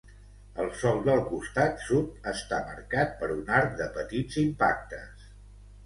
El sòl del costat sud està marcat per un arc de petits impactes.